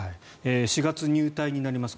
４月入隊になります。